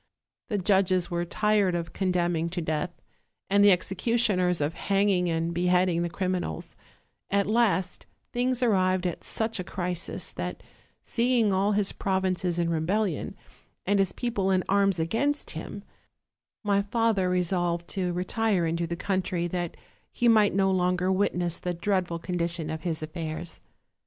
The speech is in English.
The judges were tired of condemning to death, and the executioners of hanging and beheading t>he crim inals: at last things arrived at such a crisis that, seeing all his provinces in rebellion, and his people in arms against him, my father resolved to retire into the coun try, that he might no longer witness the dreadful condi tion of his affairs.